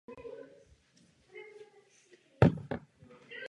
Vysílání "Rychlé hry" bylo obnoveno.